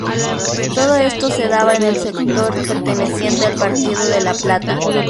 Todo esto se daba en el sector perteneciente al partido de La Plata.